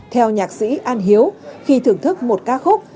theo nhạc sĩ an hiếu khi thưởng thức một ca khúc